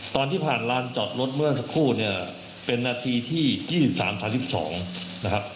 ตอนที่ผ่านลานจอดรถเมื่อสักครู่เนี่ยเป็นนาทีที่๒๓๐๒นะครับ